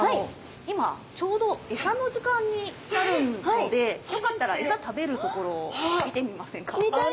今ちょうどエサの時間になるのでよかったらエサ食べるところを見てみませんか？